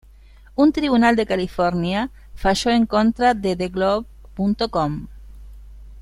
Un tribunal de California falló en contra de theGlobe.com.